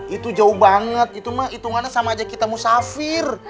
itu jauh banget gitu mah hitungannya sama aja kita musafir